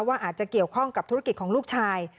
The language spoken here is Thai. ว่าอาจจะเกี่ยวข้องกับธุรกิจของลูกชาย